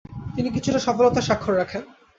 তিনি কিছুটা সফলতার স্বাক্ষর রাখেন।